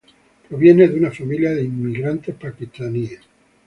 Proviene de una familia de inmigrantes paquistaníes.